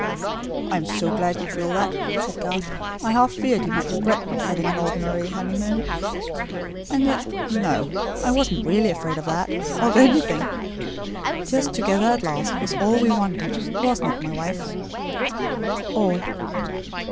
"I am so glad you feel that," said Garth. "I half feared you might regret not having an ordinary honeymoon And yet, no! I wasn't really afraid of that, or of anything. Just, together at last, was all we wanted. Wasn't it, my wife?" "All."